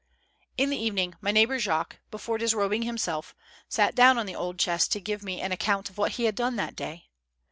In the evening, my neighbor Jacques, before disrob ing himself, sat down on the old chest to give me an ac count of what he had done that day.